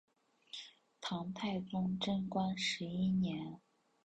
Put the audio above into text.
唐太宗贞观十一年。